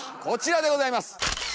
こちらでございます！